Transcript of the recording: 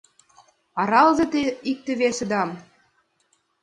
аралыза те икте-весыдам.